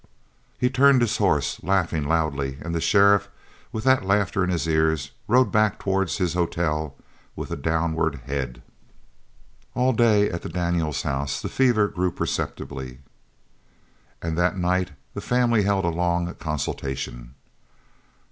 He turned his horse, laughing loudly, and the sheriff, with that laughter in his ears, rode back towards his hotel with a downward head. All day at the Daniels's house the fever grew perceptibly, and that night the family held a long consultation.